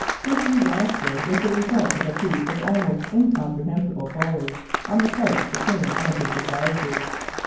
This disaster was the result of a piece of almost incomprehensible folly on the part of the King and his advisers.